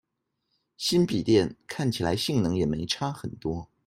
新筆電看起來性能也沒差很多